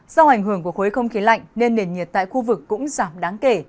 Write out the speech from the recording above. do ảnh hưởng của khối không khí lạnh nên nền nhiệt tại khu vực cũng giảm đáng kể